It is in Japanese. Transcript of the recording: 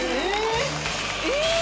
え